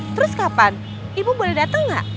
terus kapan ibu boleh datang gak